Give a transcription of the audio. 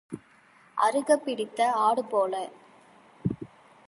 அறுக்கப் பிடித்த ஆடுபோல.